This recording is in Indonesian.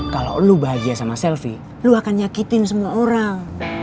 kalo lu bahagia sama selvi lu akan nyakitin semua orang